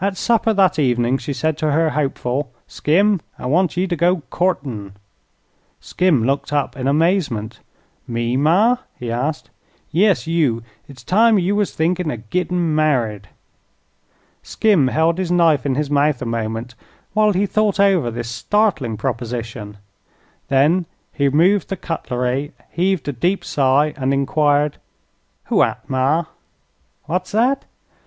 At supper that evening she said to her hopeful: "Skim, I want ye to go courtin'." Skim looked up in amazement. "Me, ma?" he asked. "Yes, you. It's time you was thinkin' of gittin' married." Skim held his knife in his mouth a moment while he thought over this startling proposition. Then he removed the cutlery, heaved a deep sigh, and enquired: "Who at, ma?" "What's that?"